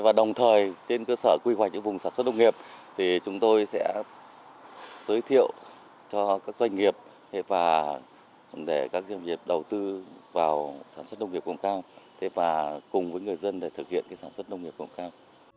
và đồng thời trên cơ sở quy hoạch những vùng sản xuất nông nghiệp chúng tôi sẽ giới thiệu cho các doanh nghiệp các doanh nghiệp đầu tư vào sản xuất nông nghiệp công cao cùng với người dân để thực hiện sản xuất nông nghiệp công cao